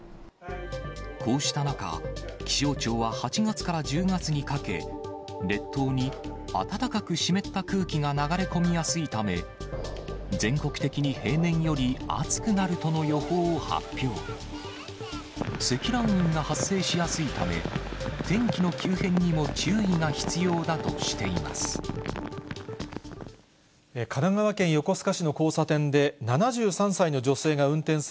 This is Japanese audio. こうした中、気象庁は８月から１０月にかけ、積乱雲が発生しやすいため、天気の急変にも注意が必要だとしています。